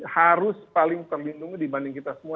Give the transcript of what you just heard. harus paling terlindungi dibanding kita semua